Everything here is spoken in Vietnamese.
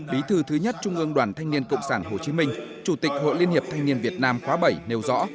bí thư thứ nhất trung ương đoàn thanh niên cộng sản hồ chí minh chủ tịch hội liên hiệp thanh niên việt nam khóa bảy nêu rõ